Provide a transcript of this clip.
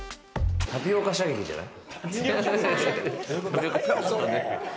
タピオカ射撃じゃない？